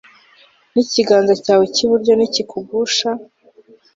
n'ikiganza cyawe cy'iburyo nikikugusha